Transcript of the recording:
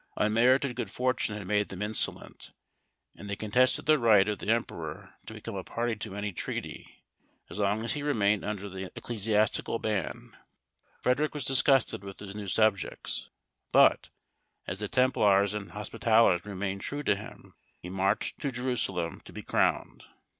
Unmerited good fortune had made them insolent, and they contested the right of the emperor to become a party to any treaty, as long as he remained under the ecclesiastical ban. Frederic was disgusted with his new subjects; but, as the Templars and Hospitallers remained true to him, he marched to Jerusalem to be crowned.